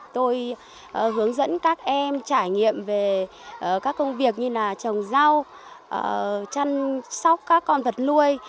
tôi hướng dẫn các em trải nghiệm về các công việc như là trồng rau chăm sóc các con vật nuôi